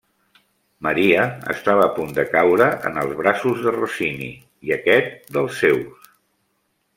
Maria estava a punt de caure en els braços de Rossini i aquest dels seus.